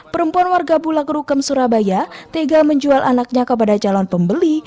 perempuan warga bulak rukem surabaya tega menjual anaknya kepada calon pembeli